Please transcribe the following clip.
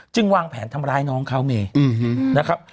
วางแผนทำร้ายน้องเขาเมนะครับ